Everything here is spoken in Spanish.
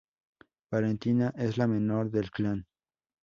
Valentina es la menor del clan.